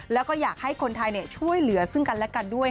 แล้วก็อยากให้คนไทยช่วยเหลือซึ่งกันและกันด้วย